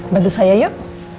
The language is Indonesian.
bantu saya yuk